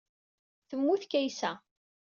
Temmut Kaysa.